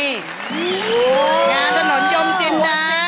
งานถนนยมจินดา